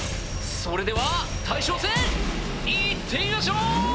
それでは大将戦いってみましょう！